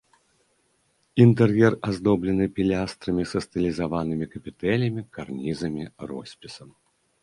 Інтэр'ер аздоблены пілястрамі са стылізаванымі капітэлямі, карнізамі, роспісам.